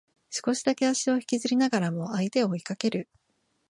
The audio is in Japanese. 少しだけ足を引きずりながらも相手を追いかける